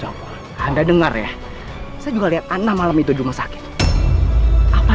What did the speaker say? anda dengar ya saya juga lihat tanah malam itu juga sakit apa